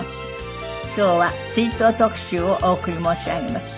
今日は追悼特集をお送り申し上げます。